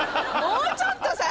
もうちょっとさ